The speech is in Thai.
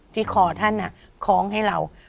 ที่คอท่านคล้องให้เรา